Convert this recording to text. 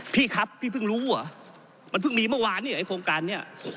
พี่ครับพี่เพิ่งรู้เหรอมันเพิ่งมีเมื่อวานเนี่ยไอ้โครงการนี้